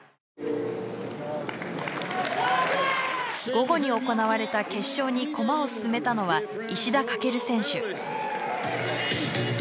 午後に行われた決勝にコマを進めたのは石田駆選手。